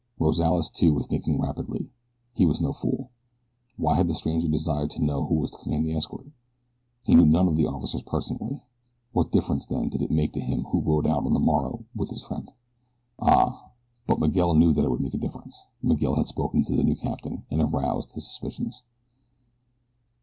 Rozales, too, was thinking rapidly. He was no fool. Why had the stranger desired to know who was to command the escort? He knew none of the officers personally. What difference then, did it make to him who rode out on the morrow with his friend? Ah, but Miguel knew that it would make a difference. Miguel had spoken to the new captain, and aroused his suspicions.